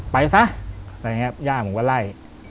ไปซะอะไรอย่างนี้ย่าผมก็ไล่